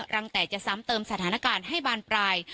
ตั้งแต่จะซ้ำเติมสถานการณ์ให้บานปลาย